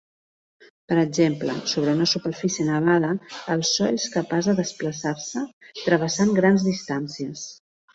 Per exemple, sobre una superfície nevada, el so és capaç de desplaçar-se travessant grans distàncies.